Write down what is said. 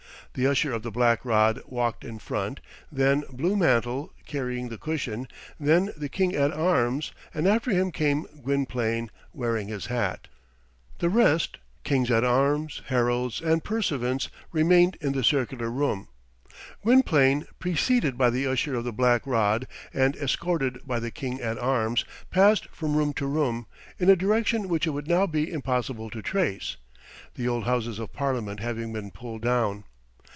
The Usher of the Black Rod walked in front; then Blue Mantle, carrying the cushion; then the King at Arms; and after him came Gwynplaine, wearing his hat. The rest, kings at arms, heralds, and pursuivants, remained in the circular room. Gwynplaine, preceded by the Usher of the Black Rod, and escorted by the King at Arms, passed from room to room, in a direction which it would now be impossible to trace, the old Houses of Parliament having been pulled down.